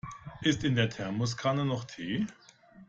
Ist in der Thermoskanne noch Tee?